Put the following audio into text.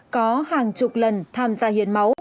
có hàng chục lần tham gia hiến máu